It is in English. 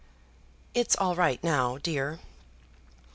"It's all right now, dear."